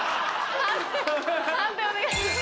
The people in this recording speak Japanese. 判定お願いします。